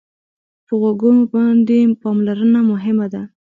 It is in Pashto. په غوږو باندې پاملرنه مهمه ده.